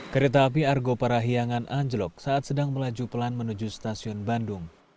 kereta api argo parahiangan anjlok saat sedang melaju pelan menuju stasiun bandung